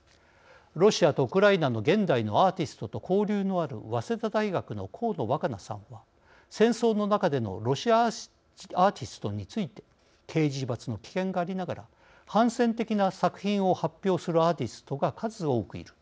ロシアとウクライナの現代のアーティストと交流のある早稲田大学の鴻野わか菜さんは戦争の中でのロシアアーティストについて「刑事罰の危険がありながら反戦的な作品を発表するアーティストが数多くいる。